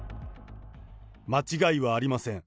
間違いはありません。